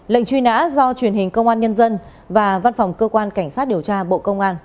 lệnh truy nã do truyền hình công an nhân dân và văn phòng cơ quan cảnh sát điều tra bộ công an